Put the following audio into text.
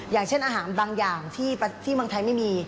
อย่างเช่นอาหารบางอย่างที่เมืองไทยไม่มี